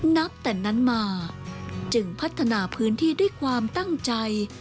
นับแต่นั้นมาจึงพัฒนาพื้นที่ด้วยความตั้งใจ